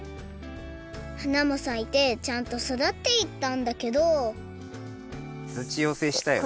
はなもさいてちゃんと育っていったんだけどつちよせしたよね。